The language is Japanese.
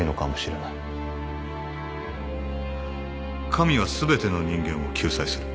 神は全ての人間を救済する。